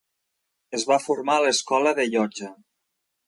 Es va formar a l'Escola de Llotja.